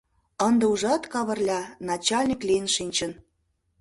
Ынде, ужат, Кавырля начальник лийын шинчын.